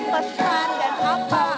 pesan dan apa